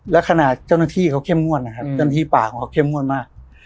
และขณะเจ้าหน้าที่เขาเข้มงวดนะครับเจ้าหน้าที่ป่าของเขาเข้มงวดมาก